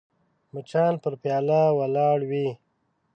مچان پر پیاله ولاړ وي